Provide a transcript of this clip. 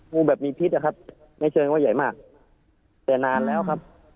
ูแบบมีพิษนะครับไม่เชิงว่าใหญ่มากแต่นานแล้วครับ